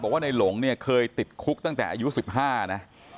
บอกว่าในหลงเคยติดคุกตั้งแต่อายุสิบห้านะ